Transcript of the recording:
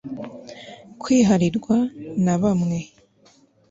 kwiharirwa na bamwe